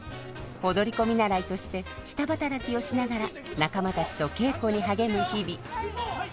踊り子見習いとして下働きをしながら仲間たちと稽古に励む日々。